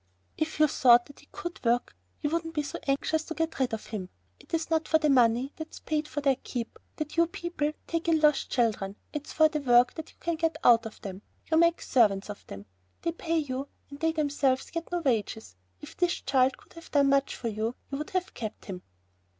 "If you thought that he could work you wouldn't be so anxious to get rid of him. It is not for the money that's paid for their keep that you people take in lost children, it's for the work that you can get out of them. You make servants of them, they pay you and they themselves get no wages. If this child could have done much for you, you would have kept him."